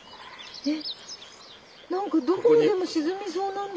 えっ。